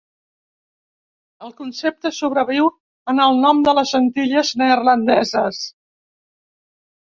El concepte sobreviu en el nom de les Antilles Neerlandeses.